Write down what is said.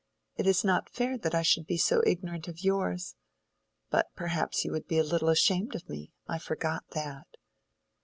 It is not fair that I should be so ignorant of yours. But perhaps you would be a little ashamed of me. I forgot that."